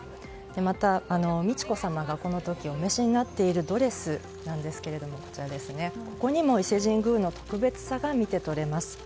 また、美智子さまがこの時お召しになっているドレスなんですがここにも伊勢神宮の特別さが見て取れます。